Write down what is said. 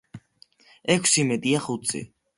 ექვსი მეტია ხუთზე.